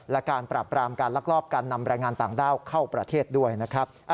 และการปรับปรามการลักลอบการนำแรงงานต่างด้าวเข้าประเทศด้วยนะครับ